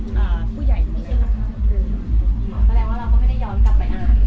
แสดงว่าเราก็ไม่ได้ย้อนกลับไปอ่านในเอกสารที่เราถือว่าครับ